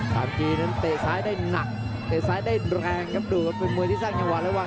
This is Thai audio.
สามจีนั้นเตะซ้ายได้หนักเตะซ้ายได้แรงครับดูเป็นมือที่สร้างอย่างหวานแล้วว่า